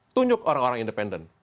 tunjuk orang orang independen